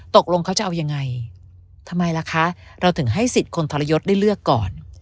ตกลงเขาจะเอายังไงทำไมล่ะคะเราถึงให้สิทธิ์คนทรยศได้เลือกก่อน